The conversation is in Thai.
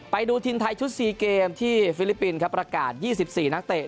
ไปดูทีมไทยชุด๔เกมที่ฟิลิปปินส์ครับประกาศ๒๔นักเตะ